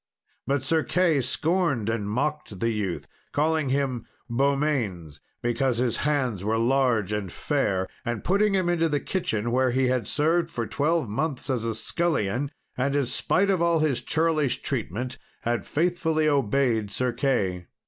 But Sir Key scorned and mocked the youth, calling him Beaumains, because his hands were large and fair, and putting him into the kitchen, where he had served for twelve months as a scullion, and, in spite of all his churlish treatment, had faithfully obeyed Sir Key.